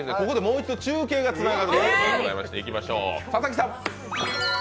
ここでもう一度中継がつながってまして、いきましょう。